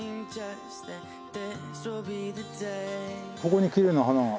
ここにきれいな花が。